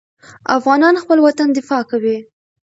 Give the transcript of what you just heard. افغانان خپل وطن دفاع کوي.